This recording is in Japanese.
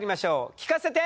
聞かせて！